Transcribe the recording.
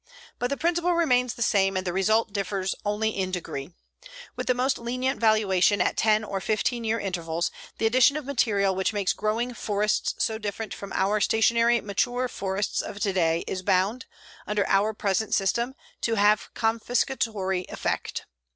But the principle remains the same and the result differs only in degree. With the most lenient valuation at 10 or 15 year intervals, the addition of material which makes growing forests so different from our stationary mature forests of today is bound, under our present system, to have confiscatory effect.